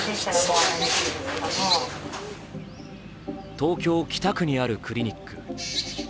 東京・北区にあるクリニック。